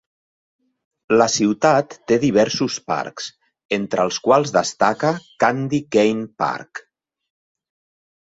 La ciutat té diversos parcs, entre els quals destaca Candy Cane Park.